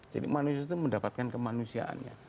jadi manusia itu mendapatkan kemanusiaannya